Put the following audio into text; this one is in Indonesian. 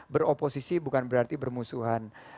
beroposisi bukan berarti bermusuhan